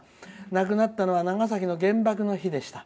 亡くなったのは長崎の原爆の日でした。